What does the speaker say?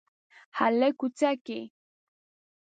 هلک کوڅه کې